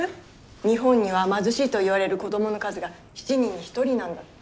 日本には貧しいと言われる子どもの数が７人に１人なんだって。